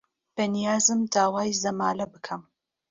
بەنیازم داوای زەمالە بکەم.